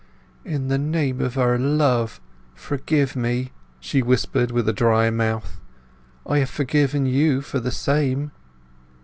"In the name of our love, forgive me!" she whispered with a dry mouth. "I have forgiven you for the same!"